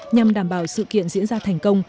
nhằm đảm bảo sự kiện diễn ra thành công